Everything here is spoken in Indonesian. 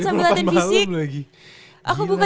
sambil latihan fisik aku buka